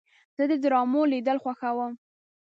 زه د ډرامو لیدل خوښوم.